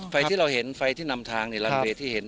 ไฟที่เราเห็นไฟที่นำทางรางเวลที่เห็น